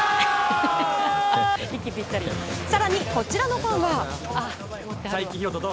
更に、こちらのファンは。